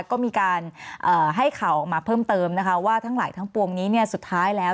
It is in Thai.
ก็มีการให้ข่าวออกมาเพิ่มเติมนะคะว่าทั้งหลายทั้งปวงนี้สุดท้ายแล้ว